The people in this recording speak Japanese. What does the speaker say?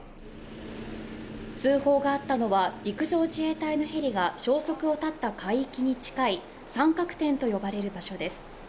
通報があったのは、陸上自衛隊のヘリが消息を絶った海域に近い三角点と呼ばれる場所です。